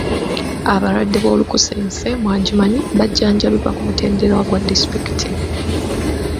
Abalwadde b'olunkusense mu Adjumani bajjanjabibwa ku mutendera gwa disitulikiti.